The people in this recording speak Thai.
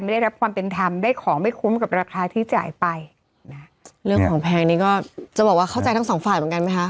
ได้รับความเป็นธรรมได้ของไม่คุ้มกับราคาที่จ่ายไปนะเรื่องของแพงนี้ก็จะบอกว่าเข้าใจทั้งสองฝ่ายเหมือนกันไหมคะ